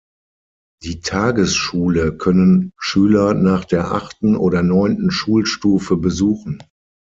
Die Tagesschule können Schüler nach der achten oder neunten Schulstufe besuchen.